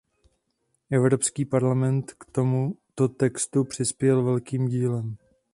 Evropský parlament k tomuto textu přispěl velkým dílem.